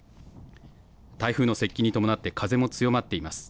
台風の接近に伴って風も強まっています。